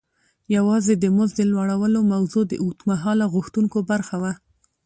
یوازې د مزد د لوړولو موضوع د اوږد مهاله غوښتنو برخه وه.